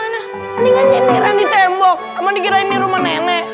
ini kan nyenderang di tembok sama dikirain ini rumah nenek